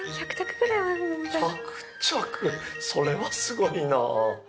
それはすごいな。